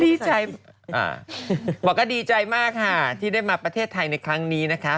บอกว่าก็ดีใจมากค่ะที่ได้มาประเทศไทยในครั้งนี้นะคะ